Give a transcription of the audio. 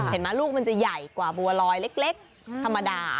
มั้ลูกมันจะใหญ่กว่าบัวลอยเล็กธรรมดา